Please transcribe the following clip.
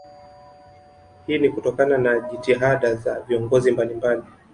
Hii ni kutokana na jitihada za viongozi mbalimbali